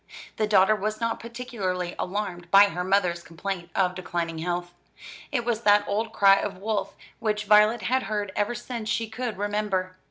The daughter was not particularly alarmed by her mother's complaint of declining health. It was that old cry of "wolf," which Violet had heard ever since she could remember.